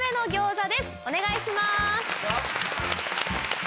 お願いします。